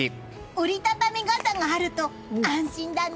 折り畳み傘があると安心だね！